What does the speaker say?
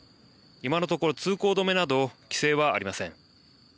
今のところ通行止めなど規制はありません。